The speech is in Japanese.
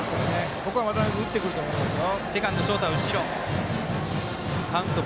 ここは渡邉君、打ってくると思いますよ。